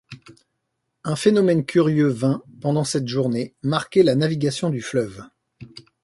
Un phénomène curieux vint, pendant cette journée, marquer la navigation du fleuve.